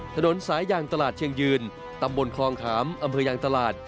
ถนนสายยางตลาดเชียงยืนตำบลคลองขามอำเภอยางตลาด